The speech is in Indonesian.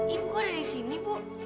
ibu kok udah di sini bu